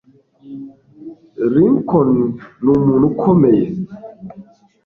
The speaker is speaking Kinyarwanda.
Lincoln numuntu ukomeye